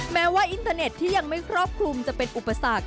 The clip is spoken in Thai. แม้ว่าอินเทอร์เน็ตที่ยังไม่ครอบคลุมจะเป็นอุปสรรค